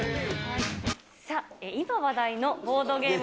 さっ、今話題のボードゲーム。